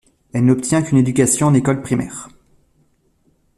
Elle n'obtient qu'une éducation en école primaire.